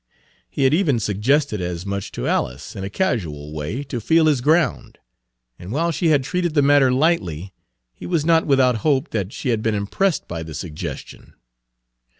He had even suggested as much to Alice, in a casual way, to feel his ground; and while she had treated the matter lightly, he was not without hope that she had been impressed by the suggestion.